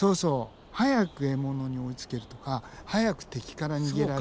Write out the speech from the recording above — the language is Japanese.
早く獲物に追いつけるとか早く敵から逃げられる。